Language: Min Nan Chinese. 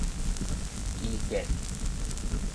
肌腱